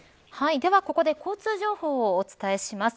では、ここで交通情報をお伝えします。